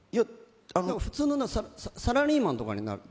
普通のサラリーマンとかになるの？